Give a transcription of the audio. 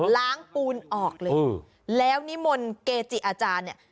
ปูนออกเลยแล้วนิมนต์เกจิอาจารย์เนี่ย